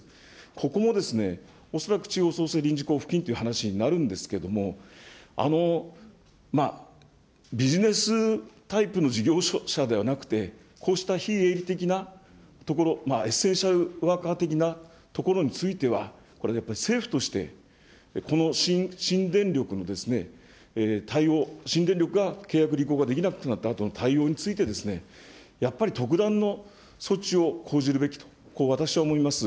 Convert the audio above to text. ここも恐らく地方創生臨時交付金という話になるんですけれども、ビジネスタイプの事業者ではなくて、こうした非営利的なところ、エッセンシャルワーカー的なところについては、これはやっぱり政府としてこの新電力の対応、新電力が契約履行ができなくなったあとの対応について、やっぱり特段の措置を講じるべきと、私は思います。